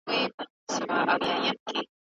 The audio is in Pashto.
رډي سترګي یې زمري ته وې نیولي